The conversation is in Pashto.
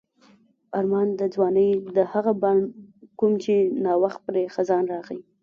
آرمان د ځوانۍ د هغه بڼ کوم چې نا وخت پرې خزان راغی.